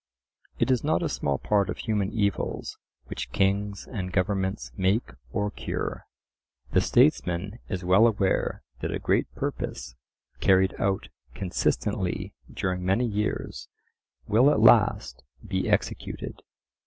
It is not a small part of human evils which kings and governments make or cure. The statesman is well aware that a great purpose carried out consistently during many years will at last be executed.